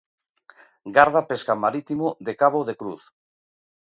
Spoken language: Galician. Garda pesca marítimo de Cabo de Cruz.